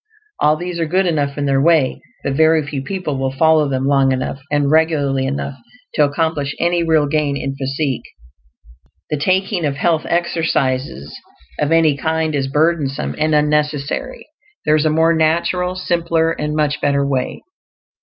All these are good enough in their way, but very few people will follow them long enough and regularly enough to accomplish any real gain in physique. The taking of "health exercises" of any kind is burdensome and unnecessary; there is a more natural, simpler, and much better way.